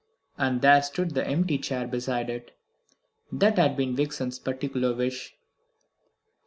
And there stood the empty chair beside it. That had been Vixen's particular wish.